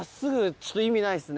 ちょっと意味ないですね。